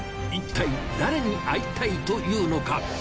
いったい誰に会いたいというのか。